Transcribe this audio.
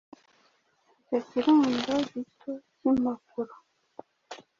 Icyo kirundo gito cy’impapuro